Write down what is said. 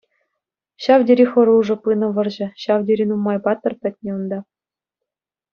Ҫав тери хӑрушӑ пынӑ вӑрҫӑ, ҫав тери нумай паттӑр пӗтнӗ унта.